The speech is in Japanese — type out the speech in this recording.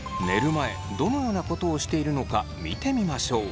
前どのようなことをしているのか見てみましょう。